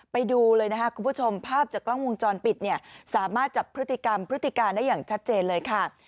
ไปดูเลยนะคะคุณผู้ชมภาพจากกล้องวงจรปิดเนี่ยสามารถจับพฤติกรรมพฤติการได้อย่างชัดเจนเลยค่ะ